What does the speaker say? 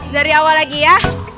dari awal lagi ya